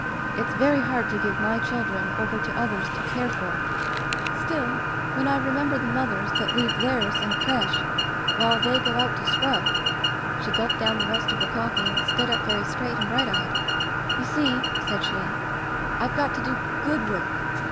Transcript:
*It's very hard to give my children over to others to care for. Still, when I remember Digitized by LjOOQ IC Interventions the mothers that leave theirs in a creche, while they go out to scrub' — she gulped down the rest of her coffee and stood up very straight and bright eyed, *You see/ said she, Tve got to do good work.